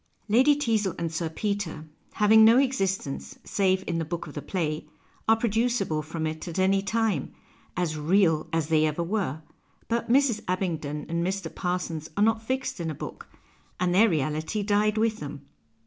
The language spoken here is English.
Lady Teazle and Sir Peter, having no existence save in the book of the play, are producible from it at any time, as " real " as they ever were, but Mrs. Abington and Mr. Parsons are not fixed in a book, and their reality died with them.